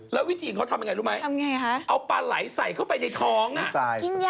แล้ววิธีเขาทำอย่างไรรู้ไหมทำอย่างไรคะ